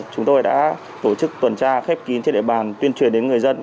chúng tôi đã tổ chức tuần tra khép kín trên địa bàn tuyên truyền đến người dân